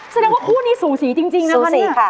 แสดงว่าคู่นี้สูสิจริงนะ